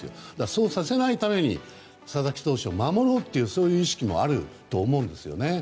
そうさせないために佐々木投手を守ろうという意識もあると思うんです。